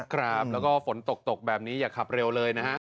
ครับแล้วก็ฝนตกตกแบบนี้อย่าขับเร็วเลยนะฮะ